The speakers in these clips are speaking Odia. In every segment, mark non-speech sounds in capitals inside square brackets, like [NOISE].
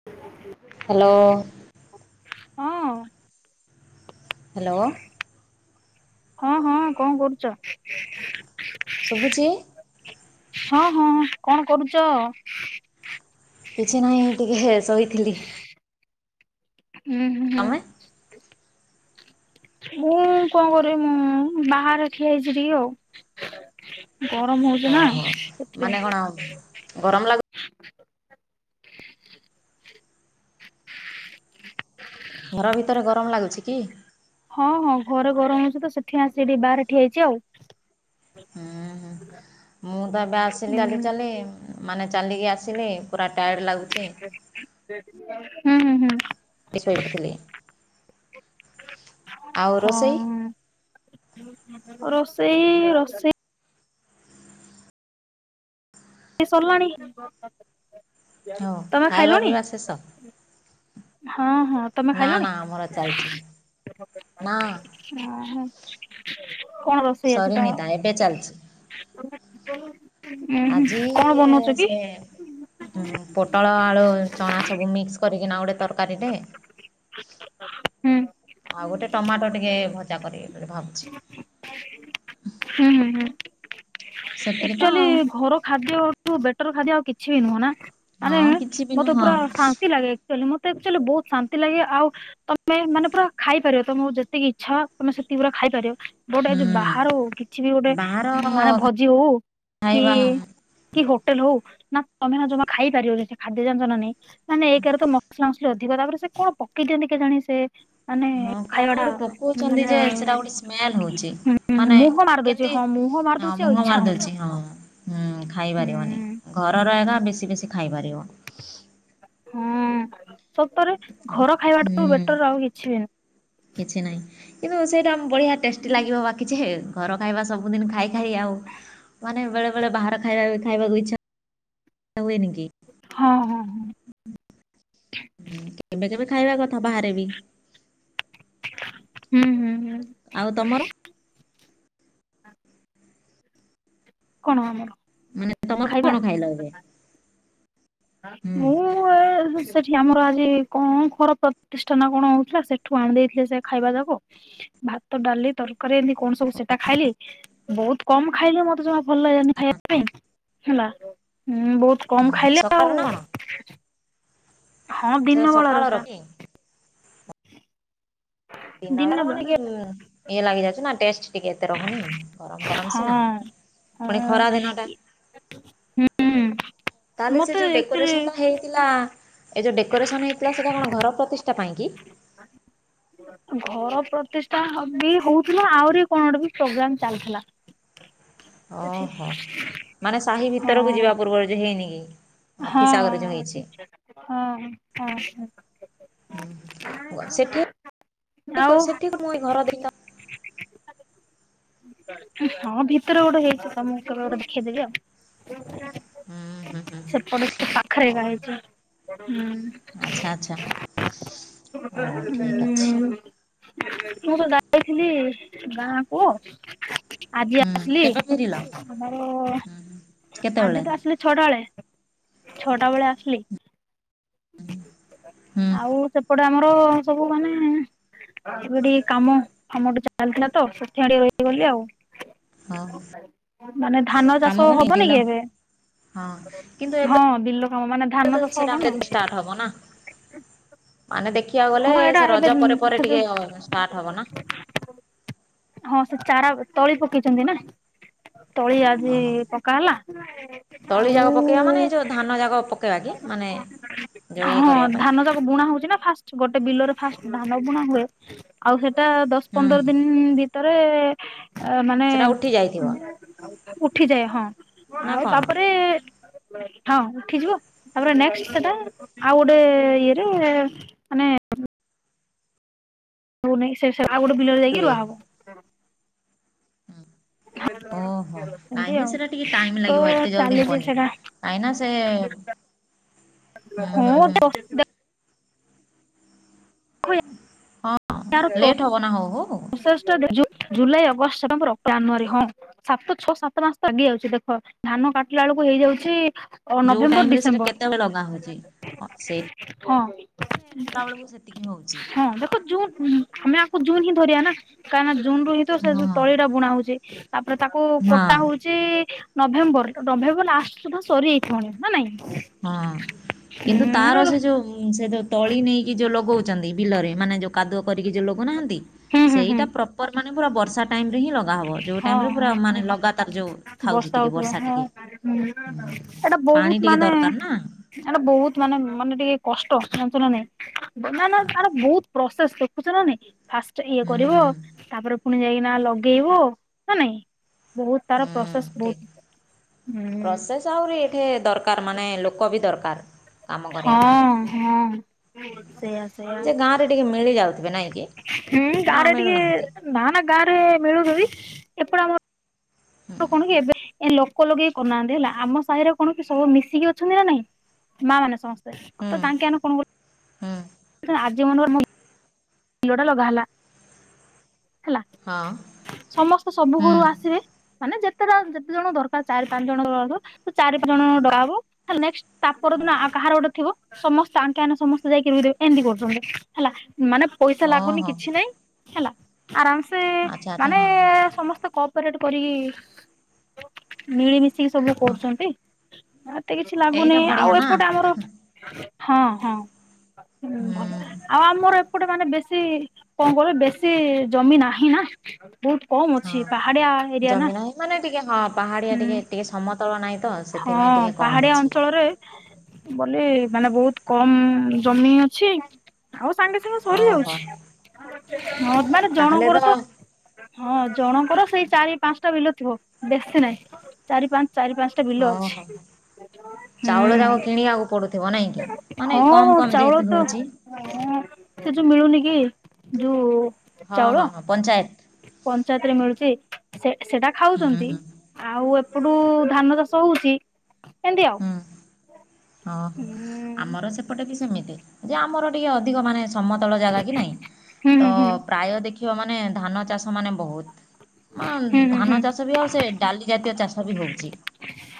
[INAUDIBLE] ହ୍ୟାଲୋ। ହଁ। ହ୍ୟାଲୋ। ହଁ ହଁ କଣ କରୁଛ? ଶୁଭୁଛି? ହଁ ହଁ କଣ କରୁଛ? କିଛି ନାହିଁ ଟିକେ ହେ ଶୋଇ ଥିଲି। ଉଁ ହୁଁ ତମେ ହୁଁ। ମୁଁ କଣ କରିବି ମୁଁ ବାହାରେ ଠିଆ ହେଇଛି ଟିକେ ଆଉ। ଗରମ ହଉଛି ହଁ ନା ହଁ ସେଥିପାଇଁ ମାନେ କି। କଣ ଗରମ ଲାଗ ଘର ଭିତରେ ଗରମ ଲାଗୁଛି କି? ହଁ ହଁ ଘରେ ଗରମ ହଉଛି ତ ସେଥିପାଇଁ ଆସି ଏଠି ବାହାରେ ଠିଆଇଛି ଆଉ। ହୁଁ ହୁଁ ମୁଁ ତ ଏବେ ଆସିଲି ହୁଁ ଚାଲି ଚାଲି ମାନେ ଚାଲିକି ଆସିଲି। ପୁରା ଟାୟେର୍ଡ଼ ଲାଗୁଚି। ହୁଁ ହୁଁ ହୁଁ। ଟିକେ ଶୋଇପଡିଥିଲି। ଆଉ ହଁ ରୋଷେଇ ରୋଷେଇ ରୋଷେ ଇ ସରିଲାଣି ହଉ ତମେ ଖାଇବା ଖାଇଲଣି? ପିଇବା ଶେଷ ହଁ ହଁ ତମେ ନା ନା ଖାଇଲଣି? ଆମର ଚାଲିଛି ନା ଅ ହଁ। କଣ ରୋଷେଇ ଅଛି ସରିନି ତମର? ତା ଏବେ ଚାଲିଛି ଉଁ ହୁଁ। କଣ ଇଏ ବନଉଛ କି? ସେ ପୋଟଳ ଆଳୁ ଚଣା ସବୁ ମିକ୍ସ କରିକିନା ଗୋଟେ ତରକାରୀଟେ [INAUDIBLE] ହୁଁ ଆଉ ଗୋଟେ ଟମାଟୋ ଟିକେ ଭଜା କରିବି ବୋଲି ଭାବୁଛି। ହୁଁ ହୁଁ ସେତିକି ତ ଏକ୍ଚୋଲି ଆଉ ଘର ଖାଦ୍ୟଠୁ ବେଟର ଖାଦ୍ୟ ଆଉ କିଛି ବି ନୁହଁ ନା। ମାନେ ହଁ କିଛି ବି ମତେ ନୁହଁ ପୁରା ଶାନ୍ତି ଲାଗେ। ଚୋଲି ମତେ ଆକ୍ଚୋଲି ବୋହୁତ ଶାନ୍ତି ଲାଗେ ଆଉ ତମେ ମାନେ ପୁରା ଖାଇପାରିବ ତମକୁ ଯେତିକି ଇଚ୍ଛା ତମେ ସେତିକିର ଖାଇପାରିବ। ଗୋଟେ ଯୋଉ ହୁଁ ବାହାରୁ କିଛି ବି ଗୋଟେ ବାହାର ମାନେ ଭୋଜି ହଉ କି ଖାଇବା କି ହୋଟେଲ ହଉ ନା ତମେ ନା ଜମା ଖାଇ ପାରିବନି ସେ ଖାଦ୍ୟ ଯାଣିଚ ନା ନାଇଁ। ମାନେ ଏକେରେ ତ ମସଲାମ ଅଧିକ ତାପରେ ସେ କଣ ପକେଇ ଦିଅନ୍ତି କେ ଜାଣି ସେ ମାନେ ହଁ କଣ ଖାଇବାଟା ଗୋଟେ ପକଉଚନ୍ତି ମାନେ ଯେ ସେଟା ଗୋଟେ ସ୍ମେଲ ହୋଉଚି ମାନେ ମୁହଁ ମାରି କେ ଦଉଛି ତି ହଁ ମୁହଁ ମାରି ଦଉଛି ହଁ ଆଉ ମୁହଁ ଇଚ୍ଛା ହଉନି ମାରିଦଉଚି ହଁ। ହୁଁ ଖାଇ ପାରିବନି। ହୁଁ। ଘରର ଏକା ବେଶୀ ବେଶୀ ଖାଇ ପାରିବ। ହଁ ସତରେ ଘର ଖାଇବା ଠୁ ହୁଁ ବେଟର ଆଉ କିଛି ବି ନୁଁ କିଛି ନାହିଁ କିନ୍ତୁ ସେଇଟା ବଢିଆ ଟେଷ୍ଟି ନୁହଁ। ଲାଗିବ ବାକିଯେ ଘର ଖାଇବା ସବୁଦିନ ଖାଇ ଖାଇ ଆଉ ମାନେ ବେଳେବେଳେ ବାହାର ଖାଇବା ଖାଇବାକୁ ଇଚ୍ଛା ହୁଏନିକି। ହଁ ହଁ ହଁ। ହୁଁ କେବେ କେବେ ଖାଇବା କଥା ବାହାରେ ବି। ହୁଁ ହୁଁ। ହୁଁ ଆଉ ତମର? କଣ ଆମର? ମାନେ ତମର ଖାଇବା? କଣ ଖାଇଲ ଏବେ। ହୁଁ ମୁଁ ଏ ଉ ସେଠି ଆମର ଆଜି କଣ ଘର ପ୍ରତିଷ୍ଠା ନା କଣ ହଉଥିଲା ସେଠୁ ଆଣିଦେଇଥିଲେ ସେ ଖାଇବା ଯାକ। ଭାତ ଡାଲି ତରକାରୀ ଏମିତି କଣ ସବୁ ସେଟା ଖାଇଲି। ବହୁତ କମ ଖାଇଲି ମତେ ଜମା ଭଲ ଲାଗି ଲାନି ଖାଇବା ପାଇଁ ହେଲା ବହୁତ ହୁଁ। କମ ଖାଇଲେ ସକାଳୁ ଆଉ ନା କଣ ହଁ ସେଟା ଦିନ ବେଳା ର ସକାଳର ସେଟା। କି? ଦିନ ବେଳା ମାନେ ନ୍ ଇଏ ଲାଗି ଯାଉଚି ନା ଟେଷ୍ଟ ଟିକେ ଏତେ ରହୁନି। ଗରମ ଗରମ ସିନା ହଁ ହଁ ପୁଣି ଖରା ଦିନ ଟା। ହୁଁ। ତାହେଲେ ସେ ମତେ ଯୋଉଁ ଆକ୍ଚୁଆଲି ଡେକୋରେସନଟା ହେଇଥିଲା ଏ ଯୋଉ ଡେକୋରେସନ ହେଇଥିଲା ସେଇଟା କଣ ଘର ପ୍ରତିଷ୍ଠା ପାଇଁ କିି? [INAUDIBLE] ଘର ପ୍ରତିଷ୍ଠା ବି ହଉଥିଲା ଆହୁରି କଣ ଗୋଟେ ବି ପ୍ରୋଗ୍ରାମ ଚାଲିଥିଲା। [INAUDIBLE] ଅ ସେଠି। ହ ମାନେ ସାହି ହଁ ଭିତରକୁ ଯିବା ପୂର୍ବରୁ ଯେ ହେଇନି କି। ହଁ ଅଫିସ ଆଗରେ ଯୋଉ ହେଇଛି। ଆ ହଁ ଆସେ। ହୁଁ ହୁଁ ସେଠି ଆଉ ଏ ସେଠି ପୁଣି ଘର ଦେଇ ଥ [INAUDIBLE] ହଁ ଭିତରେ ଗୋଟେ ହେଇଚି ତମକୁ କେବେ ଗୋଟେ ଦେଖେଇଦେବି ଆଉ। ହୁଁ ହୁଁ। ସେପଡଟ ଏତେ ପାଖରେକା ହଉ। ହେଇଚି ହୁଁ। ଆଚ୍ଛା ଆଚ୍ଛା ହଉ ହୁଁ। ଠିକ୍ ଅଛି ମୁଁ ପା ଯାଇଥିଲି ଗାଁ କୁ। ଆଜି ହୁଁ ଆସିଲି କେବେ ଫେରିଲ? ଆମର କେତେବେଳେ ଆଜି ତ ଆସିଲି ଛଟା ବେଳେ। ଛଅଟା ବେଳେ ଆସିଲି। ହୁଁ। ଆଉ ସେପଟେ ଆମର ସବୁ ମାନେ ଏବେ ଟିକେ କାମ କାମ ଟିକେ ଚାଲିଥିଲା ତ ସେଥି ପାଇଁ ଟିକେ ରହିଗଲି ଆଉ। ହଉ ମାନେ ଧାନ କାମ ଚାଷ ବେଳେ ହବନି ବିଲ କି ଏବେ। ହଁ କିନ୍ତୁ ହଁ ଏବେ ବିଲ କାମ ମାନେ ଧାନ ତ ଚାଷ ହବ ସେଟା ନା ଷ୍ଟାର୍ଟ ହବ ନା। ମାନେ ଦେଖିବାକୁ ଗଲେ ହଁ ଏଇଟା ସେ ଏବେ ରଜ ପରେ ପରେ ସେ ଯୋଉ ଟିକେ ଷ୍ଟାର୍ଟ ହବ ନା। ହଁ ସେ ଚାରା ତଳି ପକେଇଛନ୍ତି ନା। ତଳି ଆଜି ଓହୋ ପକା ହେଲା ତଳି ଯାକ ପକେଇବା ମାନେ ଏ ଆଉ। ଯୋଉ ଧାନ ଯାକ ପକେଇବା କି ମାନେ ଯୋଉ ଇଏ ହଁ କରିବା ପାଇଁ। ଧାନ ଯାକ ବୁଣା ହଉଛି ନା ଫାଷ୍ଟ ଗୋଟେ ବିଲରେ ଫାଷ୍ଟ ଧାନ ବୁଣା ହୁଏ। ଆଉ ସେଟା ଦଶ ହୁଁ ପନ୍ଦର ଦିନ ଭିତରେ। ଏ ମାନେ ସେଟା ଉଠି ଯାଇଥିବ ଉ ଉଠିଯାଏ ହଁ। ନା ଆଉ କଣ ତାପରେ। ହଁ ଉଠିଯିବ ତାପରେ ନେକ୍ସ ସେଟା ଆଉ ଗୋଟେ ଇଏରେ। ଆାନେ। ହଉ ନାଇଁ ସେ ସେ ଆଉ ଗୋଟେ ବିଲରେ ଯାଇକି ଏବେ ରୁଆ ହବ। ଓହୋ ନାଇଁଁ ଏମିତି ନି ଆଉ ସେଟା ଟିକେ ଟାଇମ ତ ଲାଗିବ ଏତେ ଜଲଦି ଚାଲିଛି ହବନି। ସେଇଟା କାଇଁ ନା ସେ। ହୁଁ ହୁଁ ହୁଁ [UNINTELLIGIBLE] ଦେଖ ହଁ ଲେଟ୍ ହବନା ହଉ ହଉ। ସେଲ୍ ଷ୍ଟା ଡେ ଜୁ ଜୁଲାଇ ଅଗଷ୍ଟ ସେପ୍ଟେମ୍ବର ଅକ୍ଟୋବର ଜାନୁଆରୀ ହଁ। ସାତ ଛଅ ସାତ ମାସ ତ ଲଗି ଯାଉଛି ଦେଖ ଧାନ କାଟିଲା ବେଳକୁ ହେଇଯାଉଛି। ଓ ଯୋଉ ଟାଇମ ନଭେମ୍ବର ରେ ସେଟା ଡିସେମ୍ବର କେତେବେଳେ ଲଗା ହଉଛି ସେ ହଁ। ତା ବେଳକୁ ସେତିକି ହଉଛି ହଁ ଦେଖ ଜୁନ ଆମେ ଆକୁ ଜୁନ୍ ହିଁ ଧରିବା ନା କାହିଁ ନା ଜୁନ ରୁ ହିଁ। ତ ସେ ହଁ ଯୋଉ ତଳି ଟା ବୁଣା ହଉଛି ତାପରେ ତାକୁ ହଁ କଟା ହଉ ଚି ନଭେମ୍ବର ନଭେମ୍ବର ଲାଷ୍ଟ ସୁଧା ସରି ଯାଇଥିବଣି ନା ନାଇଁ। ହଁ କିନ୍ତୁ ତାର ସେ ହୁଁ ଯୋଉ ସେ ଯୋଉ ତଳି ନେଇକି ଯୋଉ ଲଗଉଛନ୍ତି ବିଲରେ ମାନେ। ଯୋଉ କାଦୁଅ କରିକି ଯୋଉ ଲଗଉ ନାହାନ୍ତି ହୁଁ ହୁଁ ସେଇଟା ପ୍ରପର ମାନେ ପୁର ବର୍ଷା। ଟାଇମ ରେ ହିଁ ଲଗା ହବ ଯଉ ହଁ ଟାଇମ ରେ ପୁରା ହଁ ହଁ ମାନେ ଲଗାତାର ଯୋଉ ଥାଉଛି ଟିକେ ହଉଥିବ ବର୍ଷା ହଁ ଟିକେ। ହୁଁ ଉଁ ଏଇଟା ବହୁତ ପାଣି ଟିକେ ମାନେ ଦରକାର ନା। ଏଟା ବହୁତ ମାନେ ମାନେ ଟିକେ କଷ୍ଟ ଜାଣିଛ ନା ନାଇଁ। ବ ନା ନା ଆର ବହୁତ ପ୍ରସେସ ଦେଖୁଛ ନା ନାଇଁ। ଫାଷ୍ଟ ଇଏ କରିବ ହୁଁ। ତାପରେ ପୁଣି ଯାଇକିନା ଲଗେଇବ ନା ନାଇଁ। ବହୁତ ତାର ହୁଁ ପ୍ରସେସ୍ ବହୁତ ହୁଁ। ତ ଆହୁରି ଏଠି ଦରକାର ମାନେ ଲୋକ ବି ଦରକାର। କାମ କରିବା ପାଇଁ। ହଁ ହଁ ସେଇୟା ସେଇୟା। ସେପଟେ ଟିକେ ମିଳି ଯାଉଥିବେ ନାଇଁ କି। ହୁଁ ଗାଁ ନା ରେ ଟିକେ ମିଳୁନାହାନ୍ତି ନା ନା ଗାଁ ରେ ମିଳୁଛନ୍ତି ଏପଟେ ଆମର। ହୁଁ ଆଙ କଣ କି ଏବେ। ଏ ଲୋକ ଲଗେଇକି କରୁନାହାନ୍ତି ହେଲା ଆମ ସାହିରେ କଣ କି ସବୁ ମିଶିକି ଅଛନ୍ତି ନା ନାଇଁ ମା ମାନେ ସମସ୍ତେ। ହୁଁ ତ ତାଙ୍କେ ଆନେ କଣ କର ହୁଁ। [UNINTELLIGIBLE] କିଲୋ ଟା ଲଗା ହେଲା ହେଲା। ହଁ। ସମସ୍ତେ ସବୁ ହୁଁ ଘରୁ ଆସିବେ ମାନେ ଯେତେଟା ଯେତେ ଜଣ ଦରକାର ଚାରି ପାଞ୍ଚ ଜଣ ଦର ତ ଚାରି ପାଞ୍ଚ ଜଣ ଡକା ହବ ହେଲା ନେକ୍ସେଟ ତା ପର ଦିନ କାହାର ଗୋଟେ ଥିବ। ସମସ୍ତେ ଆଙ୍କେ ଆନେ ସମସ୍ତେ ଯାଇକି ରୁଦେ ଏନ୍ତି କରୁଛନ୍ତି ହେଲା ମାନେ ପଇସା ଲାଗୁନି ଓହୋ କିଛି ନାଇଁ। ହେଲା ଆରାମସେ ଆଚ୍ଛା ଆଚ୍ଛା ମାନେ ହଁ ସମସ୍ତେ କପରେଟ କରିକି ମିଳିମିଶିକି ସବୁ ହଁ କରୁଛନ୍ତି ଏତେ କିଛି ଏଇଟା ଲାଗୁନି ବଢ଼ିଆ ଆଉ ନା ଏପଟେ ଆମର ହଁ ହଁ ହୁଁ ଭଲ ଆଉ ଆମର ଏ ମାନେ ବେଶୀ କଁ କଇଲ ବେଶୀ ଜମି ନାହିଁ ନା। ବୋହୁତ କମ୍ ଅ ହଁ ଜମି ନାହିଁ ମାନେ ଟିକେ ହଁ ପାହାଡ଼ିଆ ହୁଁ ଟିକେ ଟିକେ ସମତଳ ନାହିଁ ତ। ହଁ ସେଥିପାଇଁ ଟିକେ କମ୍ ପାହାଡ଼ିଆ ଅଛି ଅଞ୍ଚଳରେ ବଲି ମାନେ ବୋହୁତ କମ ଜମି ଅଛି ଆଉ ସାଙ୍ଗେ ସାଙ୍ଗେ ସରି ଓହୋ ଯାଉଛି ହଁ ମାନେ ଜଣଙ୍କର ତ ହଁ ଜଣଙ୍କର ସେଇ ଚାରି ପାଁଶଟା ବିଲ ଥିବ ବେଶୀ ନାଇ ଚାରି ପାଞ୍ଚ ଚାରି ପାଁଶ୍ କହ ହ ଚାଉଳ ଯାକ ହୁଁ। କିଣିବାକୁ ପଡୁଥିବ, ନାଇଁ? ମାନେ କମ୍ ହଁ କମ୍ ଚାଉଳ ଯେହେତୁ ତ ହଉଚି। ସେ ଯୋଉ ମିଳୁନି କି ଯୋଉ ହଁ ଚାଉଳ ହଁ ହଁ ପଞ୍ଚାୟତ। ପଞ୍ଚାୟତରେ ମିଳୁଚି ସେ ସେଟା ହୁଁ ଖାଉଚନ୍ତି। ହୁଁ ଆଉ ଏପଟୁ ଧାନ ଚାଷ ହଉଚି ଏନ୍ତି ଆଉ। ହୁଁ ହଁ ହଁ ହୁଁ ଆମର ସେପଟେ ବି ସେମିତି ଯେ ଆମର ଟିକେ ଅଧିକ ମାନେ ସମତଳ ଜାଗା କି ନାଇଁ ହୁଁ ତ ହୁଁ ହୁଁ ପ୍ରାୟ ଦେଖିବ ମାନେ ଧାନ ଚାଷ ମାନେ ବହୁତ୍। ମ ହୁଁ ହୁଁ ହୁଁ ଧାନ ଚାଷ ବି ଆଉ ସେ ଡାଲି ଜାତୀୟ ଚାଷ ବି ହୋଉଚି।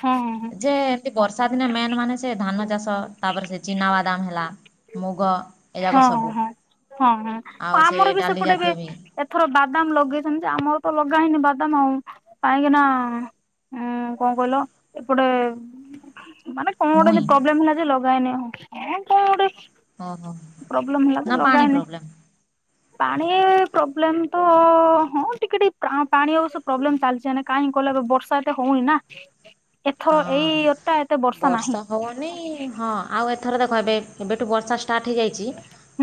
ହଁ ହଁ ହଁ। ଏ ଏମତି ବର୍ଷା ଦିନେ ମେନ୍ ମାନେ ସେ ଧାନ ଚାଷ ତାପରେ ସେ ଚିନାବାଦାମ ହେଲା ମୁଗ ଏଯାକ ହଁ ହଁ ସବୁ ହଁ ହଁ ହଁ ଆଉ ସେ ଆମର ବି ଡାଲି ସେପଟେ ଏବେ ଜାତୀୟ ବି ଏଥର ବାଦାମ ଲଗେଇଛନ୍ତି ଯେ ଆମର ତ ଲଗା ହେଇନି ବାଦାମ ଆଉ କାହିଁକି ନାଁ ହୁଁ କଁ କହିଲ ଏପଟେ ମାନେ କଣ ଗୋଟେ ଭୁଇଁ ଏନ୍ତି ପ୍ରବ୍ଲେମ୍ ହେଲା ଯେ ଲଗା ହେଇନି ଆଉ ହଁ କଁ ଅଟେ ଅହ। ପ୍ରବ୍ଲେମ ହେଲା ଯେ ଲଗା ହେଇନେଇ। ପାଣି ପ୍ରୋବ୍ଲେମ ତ ହଁ ଟିକେ ଟିକେ ପ୍ରା ପାଣି ଅବଶ୍ୟ ପ୍ରୋବ୍ଲେମ ଚାଲିଚି ଆନେ କାହିଁକି କହିଲେ ଏବେ ବର୍ଷା ଏତେ ହୋଉନି ନା ଏଥର ହଁ ଏଇଟା ଏତେ ବର୍ଷା ନାହିଁ। ହଁ ଆଉ ଏଥର ଦେଖ ଏବେ ଏବେଠୁ ବର୍ଷା ଷ୍ଟାର୍ଟ ହେଇଯାଇଚି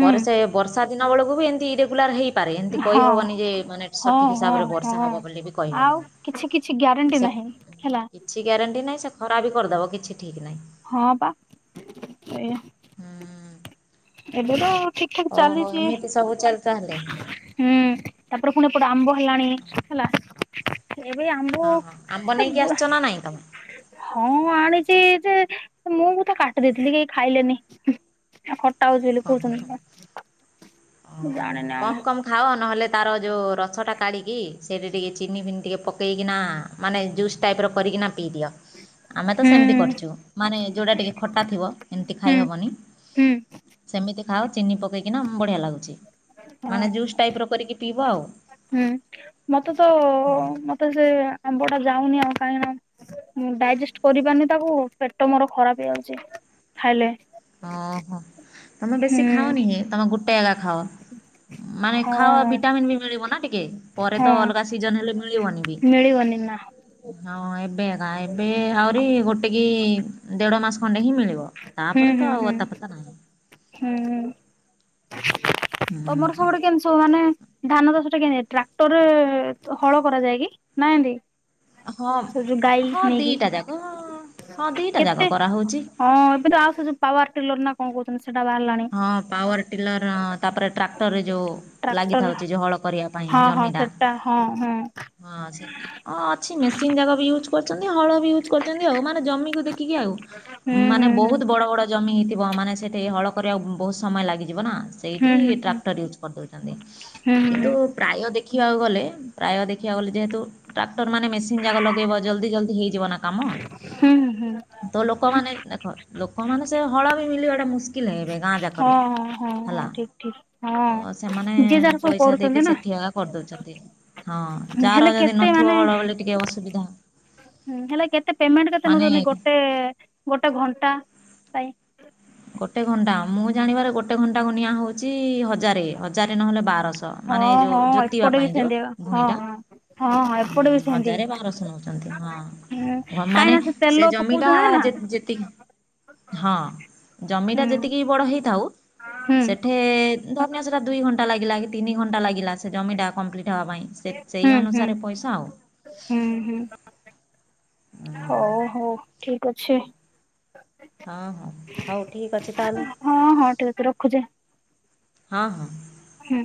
ହୁଁ ସେ ବର୍ ଷା ଦିନ ଓଳୁକୁ ବି ଏନ୍ତି ଇରେଗୁଲାର୍ ହେଇ ପାରେ ଏନ୍ତି ହଁ କହିହବନି ଯେ ମାନେ ହଁ ସଠିକ୍ ହଁ ହିସାବରେ ବର୍ଷା ହଁ ହବ ବୋଲି ବି ଆଉ କହିହବନି। କିଛି କିଛି ଗ୍ୟାରେଣ୍ଟି ସେ ନାହିଁ ହେଲା। କି ଗ୍ୟାରେଣ୍ଟି ନାହିଁ ସେ ଖରା ବି କରିଦବ କିଛି ଠିକ୍ ନାହିଁ। ହଁ ପା ଏ ହୁଁ ‌ ଏବେ ତ ଠିକ୍ ଠାକ୍ ଚାଲିଚି। ତାହଲେ ହୁଁ ତାପରେ ଫୁଣି ଏପଟେ ଆମ୍ବ ହେଲାଣି ହେଲା। ଏବେ ଆମ୍ବ ହଁ ହଁ ଆମ୍ବ ହେ ନେଇକି ବ ଆସିଛ ନା ନାହିଁ ତୁମେ ହଁ ଆଣିଚି ଯେ ମୁଁ ବି ତ କାଟି ଦେଇଥିଲି କେହି ଖାଇଲେନି। ଆ ଖଟା ହୋଉଚି ବୋଲି କହୁଚନ୍ତି ତ। ଅଁ ମୁଁ ହଁ ଜାଣିନି ଆଉ କମ୍ କମ୍ ହାଅ ନହେଲେ ତାର ଯୋଉ ରସଟା କାଢ଼ିକି ସେଇଠି ଟିକେ ଚିନି ଫିନି ଟିକେ ପକେଇକିନା। ମାନେ ଜୁସ୍ ଟାଇପ୍ର କରିକିନା ପିଇଦିଅ ଆମେ ତ ହୁଁ ସେମିତି କରିଛୁ ମାନେ ଯେଉଁଟା ଟିକେ ଖଟା ଥିବ ଏମିତି ଖାଇହେବନି ହୁଁ ସେମିତି ଖାଅ ଚିନି ପକେଇକିନା ବଢ଼ିଆ ଲାଗୁଛି ମାନେ ହୁଁ ଜୁସ୍ ଟାଇପ୍ର କରିକି ପିଇବ ଆଉ। ହୁଁ ମତେ ତ ମତେ ସେ ଆମ୍ବଟା ଯାଉନି ଆଉ କାହିଁଣ ମୁଁ ଡାଇଜେଷ୍ଟ କରିପାରୁନି ତାକୁ ପେଟ ମୋର ଖରାପ ହେଇଯାଉଛି ଖାଇଲେ ଓହୋ ତମେ ବେଶୀ ଖାଅନି ତମେ ଗୋଟେ ଏକା ଖାଅ ହୁଁ [INAUDIBLE] ମାନେ ଖାଅ ହଁ ଭିଟାମିନ୍ ବି ମିଳିବ ନା ଟିକେ ପରେ ହଁ ତ ଅଲଗା ସିଜନ ହେଲେ ମିଳିବନି ବି। ମିଳିବନି ନା ହଁ ହଁ ଏବେ ଏକା ଏବେ ଆହୁରି ଗୋଟେ କି ଦେଢ ମାସ ଖଣ୍ଡେ ହିଁ ମିଳିବ। ହୁଁ ତାପରେ ତ ହୁଁ ଆଉ ହୁଁ ଅତା ପତା ନାହିଁ ହୁଁ ହୁଁ। ତମର ସବୁଠୁ କେମିତି ମାନେ ଧାନ ଚାଷ ଟା କେତି ଟ୍ରାକ୍ଟରରେ ହଳ କରାଯାଏ କି ନା ଏନ୍ତି ହଁ ହଁ ଦିଟା ଯାକ ହଁ ଦିଟା କେତେ ଯାକ କରାହଉଛି। ହଁ ଏବେ ତ ଆଉ ସେ ପାୱାର ଟେଲର ନା କଣ କହୁଛନ୍ତି ସେଟା ବାହାରିଲାଣି। ହଁ ପାୱାର ଟିଲର ତାପରେ ଟ୍ରାକ୍ଟରରେ ଯୋଉ ଟ୍ରାକ୍ଟର ଲାଗିଥାଉଛି ଯେ ହଳ କରିବା ପାଇଁ ହଁ ହଁ ଜମିଟା ସେଟା ହଁ ହଁ ହଁ ସେ ହଁ ଅଛି ମେସିନ୍ ଯାକ ବି ୟୁଜ କରୁଛନ୍ତି ହଳ ବି ୟୁଜ୍ କରଛନ୍ତି ଆଉ ମାନେ ଜମିକୁ ଦେଖି ଦେଖିକି ଆଉ ହୁଁ ମାନେ ହୁଁ ବହୁତ ବଡ ବଡ ଜମି ହେଇଥିବ ମାନେ ସେଠି ହଳ କରିବାକୁ ବହୁତ ସମୟ ଲାଗିଯିବ ନା ହୁଁ ସେଇଠି ଟ୍ରାକ୍ଟର ୟୁଜ୍ କରିଦଉଛନ୍ତି ହୁଁ ହୁଁ ହୁଁ କିନ୍ତୁ ପ୍ରାୟ ଦେଖିବାକୁ ଗଲେ ପ୍ରାୟ ଦେଖିବାକୁ ଗଲେ ଯେହେତୁ ଟ୍ରାକ୍ଟର ମାନେ ମେସିନ ଯାକ ଲଗେଇ ଜଲଦି ଜଲଦି ହେଇଯିବ ନା କାମ ହୁଁ ହୁଁ ହୁଁ ତ ଲୋକମାନେ ଦେଖ ଲୋକମାନେ ସେ ହଳ ବି ମଳିବାଟା ମୁସ୍ କିଲ୍ ଏବେ ଗାଁ ଯାକରେ ହଁ ହଁ ହଁ ହେଲା ହଁ ଠିକ ଠିକ ହଁ ତ ସେମାନେ ଯିଏ ଯାହାର ସବୁ ପଇସା ଦେଇକି କରୁଛନ୍ତି ନା ସେଠିଆ କରିଦଉଛନ୍ତି ହଁ ଯାହାର ହେଲେ ଯଦି ନଥିବ ହଳ ହଳି ଟିକେ ଅସୁବିଧା। ହୁଁ ହେଲେ କେତେ ପେମେଣ୍ଟ କେତେ ମାନେ ନଉଛନ୍ତି ଗୋଟେ ଗୋଟେ ଘଣ୍ଟା? ପାଇଁ? ଗୋଟେ ଘଣ୍ଟା ମୁଁ ଜାଣିବାରେ ଗୋଟେ ଘଣ୍ଟା କ ନିଆଁ ହଉଛି ହଜାରେ ହଜାରେ ନହେଲେ ବାରଶହ ତ ହଁ ମାନେ ହଁ ଯୋଉ ଜୋତିବା ଏପଟେ ବି ପାଇଁ ଯୋଉ ସେମିତି ହଁ ହଁ ଭୁଇଁଟା ହଁ ଏପଟେ ବି ହଁ ସେମିତି। ହଜାରେ ବାରଶହ ନଉଛନ୍ତି ହୁଁ ହଁ କାହିଁକି ମାନେ ନା ସେ ତେଲ ଜମିଟା ପକଉଛନ୍ତି ନା ଯେ ଯେ ତିକ ହଁ ଜମିଟା ହୁଁ ଯେତିକି ବଡ଼ ହୋଇଇଥାଉ ହୁଁ ସେଠେ ଧନ୍ୟ ସେଟା ଦୁଇ ଘଣ୍ଟା ଲାଗିଲା କି ତିନି ଘଣ୍ଟା ଲାଗିଲା ସେ ଜମିଟା କମ୍ପ୍ଲିଟ ହବା ପାଇଁ ସେଇ ହୁଁ ହୁଁ। ଅନୁସାରେ ପଇସା ଆଉ ହୁଁ ହୁଁ ହୁଁ ହଉ ହଉ ଠିକ ଅଛି। ହଁ ହଁ ହଉ ଠିକ ଅଛି ତାହେଲେ ହଁ ହଁ ଠିକ ଅଛି ରଖୁଛି ହଁ ହଁ ହୁଁ।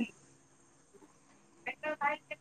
[UNINTELLIGIBLE]